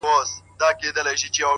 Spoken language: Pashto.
د مسجد په منارو که چي هېرېږئ”